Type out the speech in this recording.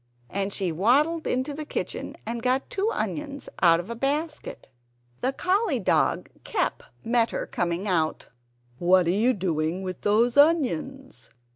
And she waddled into the kitchen and got two onions out of a basket. The collie dog Kep met her coming out, "What are you doing with those onions?